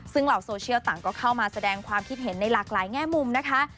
ซึ่งเหล่าโซเชียลต่างก็เข้ามาแสดงความคิดเห็นในหลากหลายแง่มุมนะคะ